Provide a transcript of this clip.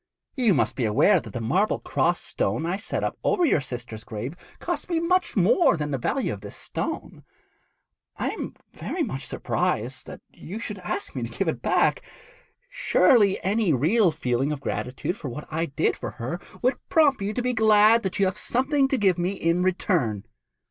You must be aware that the marble cross stone I set up over your sister's grave cost me much more than the value of this stone. I am very much surprised that you should ask me to give it back. Surely any real feeling of gratitude for what I did for her would prompt you to be glad that you have something to give me in return.'